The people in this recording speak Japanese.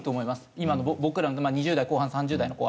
今の僕らの２０代後半３０代の子は。